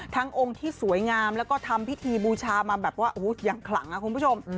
องค์ที่สวยงามแล้วก็ทำพิธีบูชามาแบบว่าอย่างขลังนะคุณผู้ชม